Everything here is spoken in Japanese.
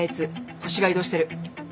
ホシが移動してる。